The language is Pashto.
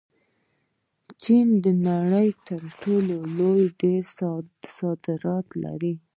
چین د نړۍ تر ټولو ډېر صادرات لري.